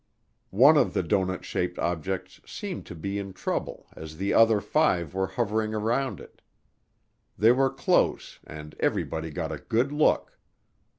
One of the doughnut shaped objects seemed to be in trouble as the other five were hovering around it. They were close, and everybody got a good look.